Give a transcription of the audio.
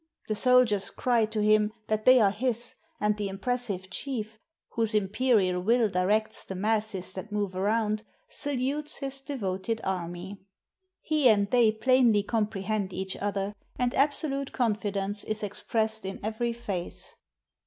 The soldiers cry to him that they are his, and the impressive Chief, whose imperial will directs the masses that move around, salutes his devoted army. He and they plainly comprehend each other, and absolute confidence is expressed in every face."